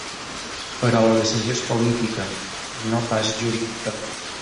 Però la decisió és política, no pas jurídica.